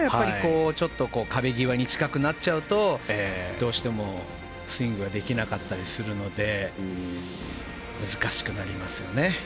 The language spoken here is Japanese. ちょっと壁際に近くなっちゃうとどうしてもスイングができなかったりするので難しくなりますよね。